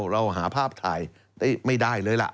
เราหาภาพถ่ายไม่ได้เลยล่ะ